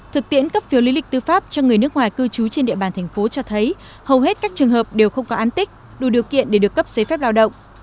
thực tiễn cấp phiếu lý lịch tư pháp cho người nước ngoài cư trú trên địa bàn thành phố cho thấy hầu hết các trường hợp đều không có an tích đủ điều kiện để được cấp giấy phép lao động